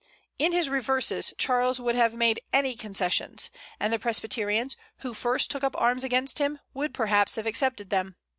In his reverses Charles would have made any concessions; and the Presbyterians, who first took up arms against him, would perhaps have accepted them.